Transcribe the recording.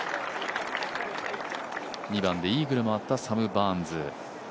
２番でイーグルもあったサム・バーンズ。